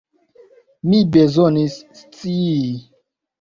Mi bezonis scii!